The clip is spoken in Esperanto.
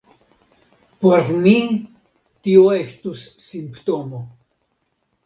Por mi tio estus simptomo!